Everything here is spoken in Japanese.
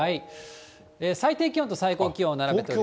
最低気温と最高気温並べてみます。